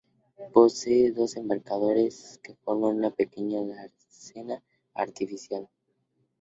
Posee dos embarcaderos que forman una pequeña dársena artificial.